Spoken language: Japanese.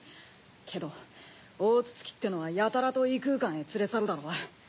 けど大筒木ってのはやたらと異空間へ連れ去るだろう？